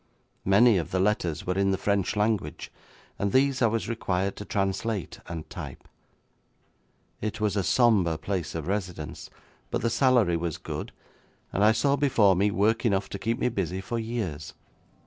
Many of the letters were in the French language, and these I was required to translate and type. It was a sombre place of residence, but the salary was good, and I saw before me work enough to keep me busy for years.